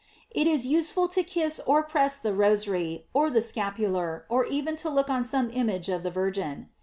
It is useful to kiss or press the rosary, or the scapular, or even to look on some image of the Virgin.